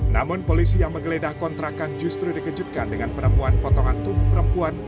namun polisi yang menggeledah kontrakan justru dikejutkan dengan penemuan potongan tubuh perempuan